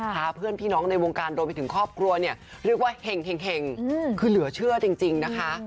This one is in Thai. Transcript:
พาเพื่อนพี่น้องในวงการรวมไปถึงครอบครัวเนี่ยเรียกว่าเห็งคือเหลือเชื่อจริงนะคะ